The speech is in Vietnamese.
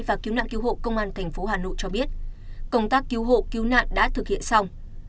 và cứu nạn cứu hộ công an tp hà nội cho biết công tác cứu hộ cứu nạn đã thực hiện xong